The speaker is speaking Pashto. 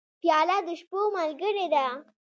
پیاله د شپو ملګرې ده.